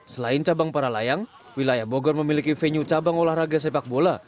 selain cabang para layang wilayah bogor memiliki venue cabang olahraga sepak bola